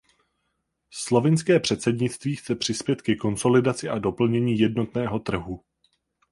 Slovinské předsednictví chce přispět ke konsolidaci a doplnění jednotného trhu.